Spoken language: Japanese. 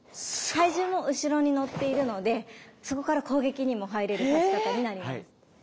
体重も後ろに乗っているのでそこから攻撃にも入れる立ち方になります。